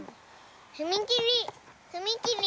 ふみきりふみきり。